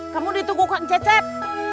kamu ditunggu kang cecer